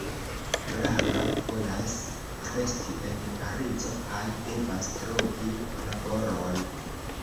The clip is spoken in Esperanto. Klara volas resti en Parizo kaj devas trovi laboron.